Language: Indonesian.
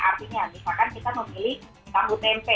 artinya misalkan kita memilih tahu tempe